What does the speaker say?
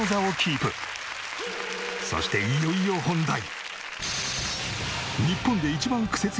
そしていよいよ本題。